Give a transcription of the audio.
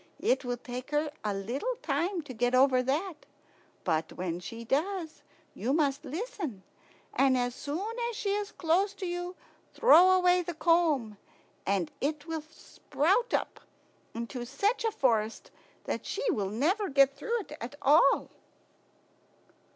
It will take her a little time to get over that. But when she does, you must listen; and as soon as she is close to you throw away the comb, and it will sprout up into such a forest that she will never get through it at all."